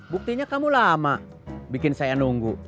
buktinya kamu lama bikin saya nunggu